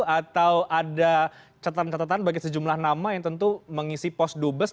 atau ada catatan catatan bagi sejumlah nama yang tentu mengisi pos dubes